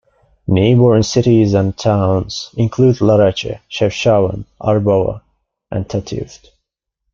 Neighbouring cities and towns include Larache, Chefchaouen, Arbawa and Tateft.